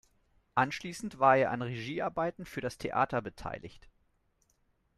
Anschließend war er an Regiearbeiten für das Theater beteiligt.